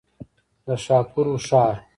د ښاپورو ښار.